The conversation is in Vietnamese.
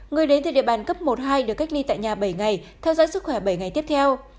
người đến từ địa bàn cấp một hai được cách ly tại nhà bảy ngày theo dõi sức khỏe bảy ngày tiếp theo